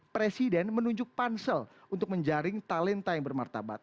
presiden menunjuk pansel untuk menjaring talenta yang bermartabat